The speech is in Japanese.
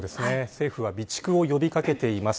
政府は備蓄を呼び掛けています。